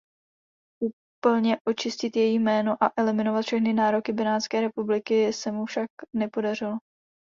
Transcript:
Úplně očistit její jméno a eliminovat všechny nároky Benátské republiky se mu však nepodařilo.